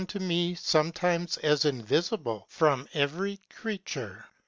to me, forvrime<; a* invifible from every creature rx.